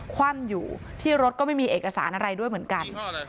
คว่ำอยู่ที่รถก็ไม่มีเอกสารอะไรด้วยเหมือนกัน